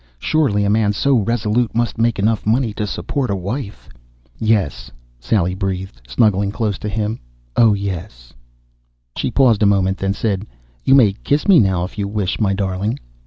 Surely a man so resolute must make enough money to support a wife._ "Yes," Sally breathed, snuggling close to him. "Oh, yes!" She paused a moment, then said, "You may kiss me now if you wish, my darling."